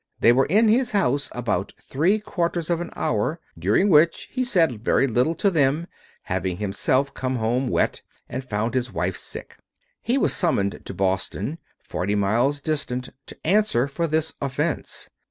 They were in his house about three quarters of an hour, during which he said very little to them, having himself come home wet, and found his wife sick. He was summoned to Boston, forty miles distant, to answer for this offense.